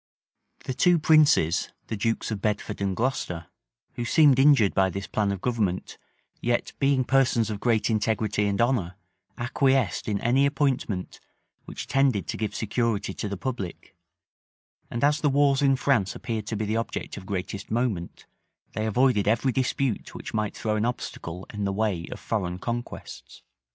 The two princes, the dukes of Bedford and Glocester, who seemed injured by this plan of government, yet, being persons of great integrity and honor, acquiesced in any appointment which tended to give security to the public; and as the wars in France appeared to be the object of greatest moment, they avoided every dispute which might throw an obstacle in the way of foreign conquests.